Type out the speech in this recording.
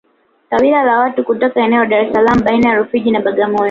kabila la watu kutoka eneo la Dar es Salaam baina ya Rufiji na Bagamoyo